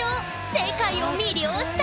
世界を魅了した！